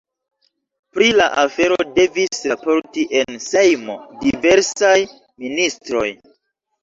Pri la afero devis raporti en Sejmo diversaj ministroj.